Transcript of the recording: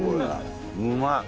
うまい。